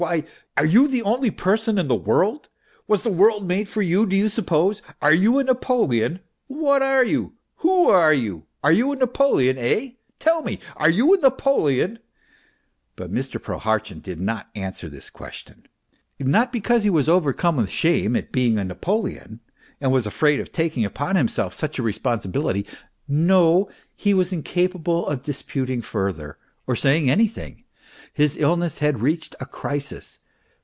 Why, are you the only person in the world ? Was the world made for you, do you suppose ? Are you a Napoleon ? What are you ? Who are you ? Are you a Napoleon, eh ? Tell me, are you a Napoleon ?" But Mr. Prohartchin did not answer this question. Not because he was overcome with shame at being a Napoleon, and was afraid of taking upon himself such a responsibility no, he was incapable of disputing further, or saying anything. ... His illness had reached a crisis.